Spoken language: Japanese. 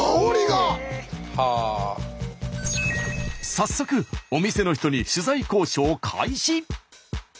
早速お店の人に取材交渉開始。